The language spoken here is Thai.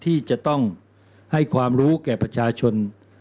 ที่จะต้องให้ความรู้แก่ประชาชน